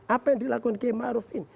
apa yang dilakukan kiai ma'ruf ini